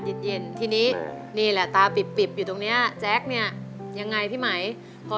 หยุดครับหยุดครับหยุดครับ